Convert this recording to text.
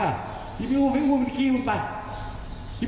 บ้าฮะแถลงอยู่หิงมันอู้เหลือไอ้ฮิง